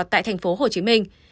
tại thành phố hồ chí minh